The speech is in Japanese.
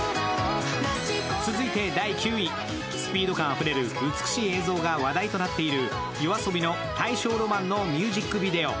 スピード感あふれる美しい映像が話題となっている、ＹＯＡＳＯＢＩの「大正浪漫」のミュージックビデオ。